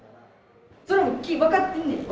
それは分かってんねん。